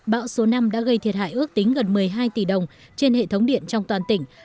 bão số năm đã gây thiệt hại ước tính gần một mươi hai tỷ đồng trên hệ thống điện trong toàn tỉnh